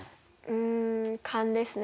うん勘ですね。